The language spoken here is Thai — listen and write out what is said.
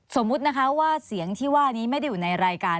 สมมุตินะคะว่าเสียงที่ว่านี้ไม่ได้อยู่ในรายการ